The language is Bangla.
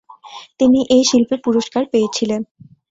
তিনি এ শিল্পে পুরস্কার পেয়েছিলেন।